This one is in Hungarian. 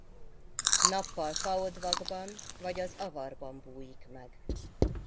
Nappal faodvakban vagy az avarban bújik meg.